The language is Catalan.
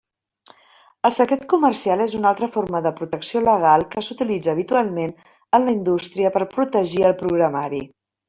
El secret comercial és una altra forma de protecció legal que s'utilitza habitualment en la indústria per protegir el programari.